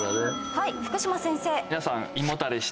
はい福島先生。